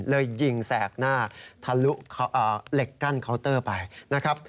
เลยยิงแสกหน้าทะลุเหล็กกั้นเคาน์เตอร์ไปนะครับ